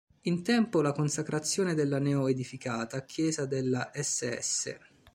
In tempo la consacrazione della neo-edificata chiesa della Ss.